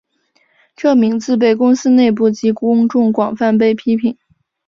这名字被公司内部及公众广泛被批评。